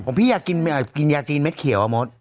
ผมพี่อยากกินยาจีนเม็ดเขียวอะมด